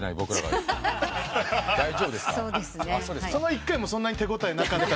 その１回もそんなに手応えなかった。